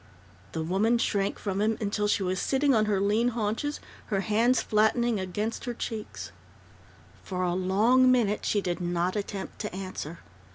_" The woman shrank from him, until she was sitting on her lean haunches, her hands flattening against her cheeks. For a long minute she did not attempt to answer.